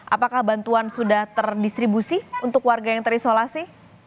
apakah bantuan sudah terdistribusi untuk warga yang terisolasi